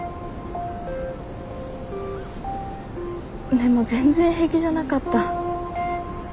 でも全然平気じゃなかった。